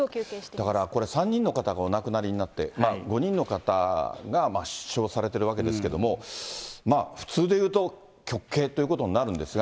だからこれ、３人の方がお亡くなりになって、５人の方が死傷されているわけですけれども、普通でいうと極刑ということになるんですが。